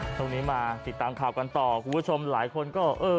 ช่วงนี้มาติดตามข่าวกันต่อคุณผู้ชมหลายคนก็เออ